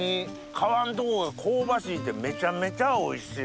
皮んとこが香ばしいてめちゃめちゃおいしい！